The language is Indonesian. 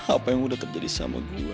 apa yang udah terjadi sama guru